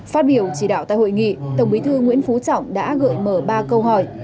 phát biểu chỉ đạo tại hội nghị tổng bí thư nguyễn phú trọng đã gợi mở ba câu hỏi